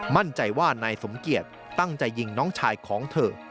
มั่นใจว่านายสมเกียจตั้งใจยิงน้องชายของเธอ